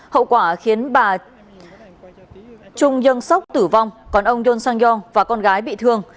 hậu quả khiến bà trung nhân sốc tử vong còn ông yon sang won và con gái bị thương